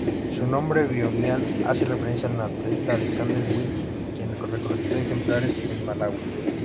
Su nombre binomial hace referencia al naturalista Alexander Whyte, quien recolectó ejemplares en Malawi.